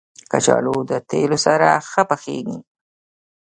کچالو له تېلو سره ښه پخېږي